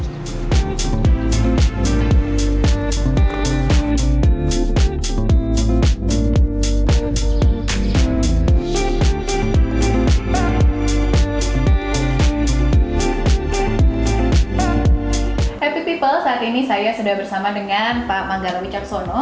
hapi people saat ini saya sudah bersama dengan pak manggala wicaksono